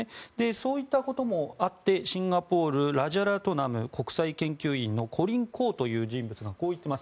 そういったこともあってシンガポールラジャラトナム国際研究院のコリン・コーという人物がこう言っています。